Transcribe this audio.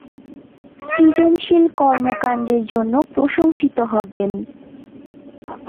সৃজনশীল কর্মকাণ্ডের জন্য প্রশংসিত হবেন।